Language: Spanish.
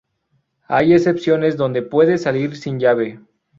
Hay excepciones donde puede salir sin llave.